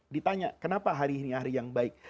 ditanya kenapa hari ini hari yang baik